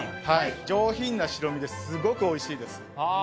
上品な白身で、すごくおいしいです。